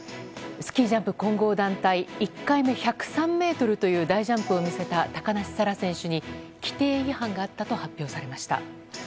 スキージャンプ混合団体、１回目１０３メートルという大ジャンプを見せた高梨沙羅選手に、規定違反があったと発表されました。